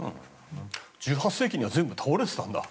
１８世紀には全部倒れてたんだ。